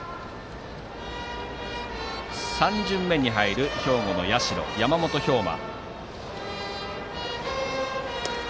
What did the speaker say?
３巡目に入る兵庫の社、山本彪真。